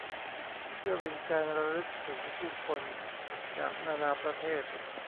เพื่อเป็นการรำลึกถึงผู้คนจากนานาประเทศ